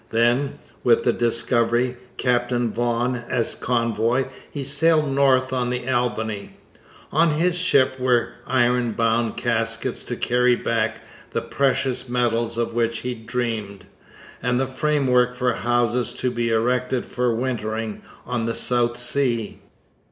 Then, with the Discovery, Captain Vaughan, as convoy, he sailed north on the Albany. On his ship were iron bound caskets to carry back the precious metals of which he dreamed, and the framework for houses to be erected for wintering on the South Sea.